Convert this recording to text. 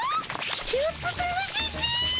ちょっと楽しいっピ。